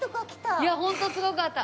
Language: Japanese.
いやホントすごかった。